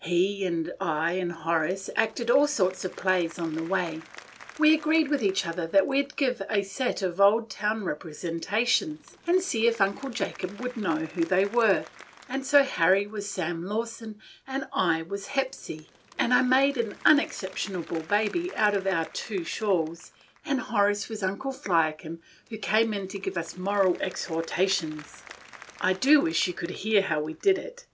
He and I and Horace acted all sorts of plays on the way. We agreed with each other that we 'd give a set of Oldtown representations, and see if Uncle Jacob would know who they were, and so Harry was Sam Lawson and I was Hepsy, and I made an unexceptionable baby out of our two shawls, and Horace was Uncle Fliakim come in to give us moral exhortations. I do wish you could hear how we did it.